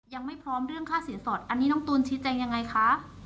ยังไม่พร้อมเรื่องค่าสินสอดอันนี้น้องตูนชี้แจงยังไงคะ